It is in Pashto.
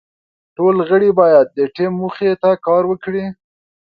ټول غړي باید د ټیم موخې ته کار وکړي.